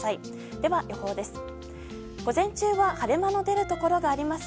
では、予報です。